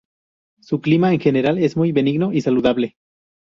Su clima, en general, es muy benigno y saludable.